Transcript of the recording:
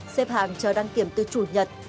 xếp hàng chờ đăng kiểm từ chủ nhật